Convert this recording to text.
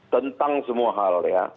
tentang semua hal ya